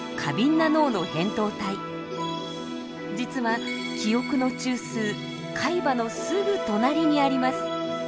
実は記憶の中枢海馬のすぐ隣にあります。